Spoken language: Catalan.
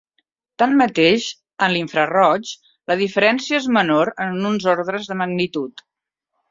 Tanmateix, en l'infraroig, la diferència és menor en uns ordres de magnitud.